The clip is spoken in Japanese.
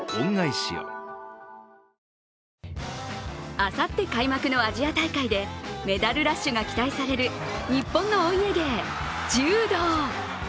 あさって開幕のアジア大会でメダルラッシュが期待される日本のお家芸・柔道。